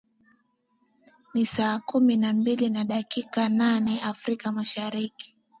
ni saa kumi na mbili na dakika nane afrika mashariki